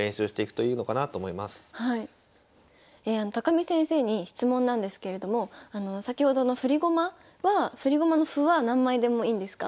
見先生に質問なんですけれども先ほどの振り駒の歩は何枚でもいいんですか？